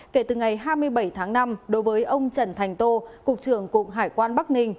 kể từ ngày hai mươi bảy tháng năm đối với ông trần thành tô cục trưởng cục hải quan bắc ninh